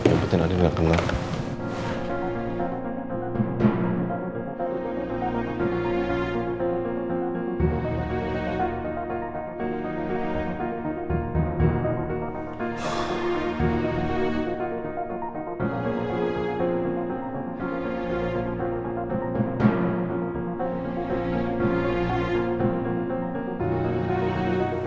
ampetin andin gak tunggu lama